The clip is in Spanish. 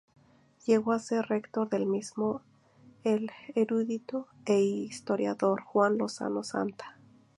Llegó a ser rector del mismo el erudito e historiador Juan Lozano Santa.